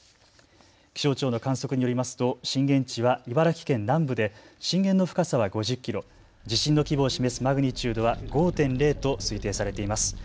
気象庁の観測によりますと震源地は茨城県南部で震源の深さは５０キロ、地震の規模を示すマグニチュードは５．０と推定されています。